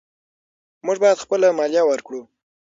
موږ باید خپله مالیه ورکړو.